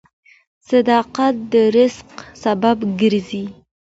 • صداقت د رزق سبب کیږي.